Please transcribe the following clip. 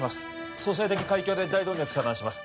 蘇生的開胸で大動脈遮断します